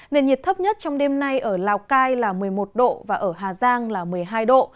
nền nhiệt thấp nhất trong đêm nay ở lào cai là một mươi một độ và ở hà giang là một mươi hai độ